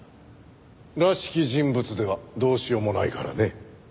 「らしき人物」ではどうしようもないからね。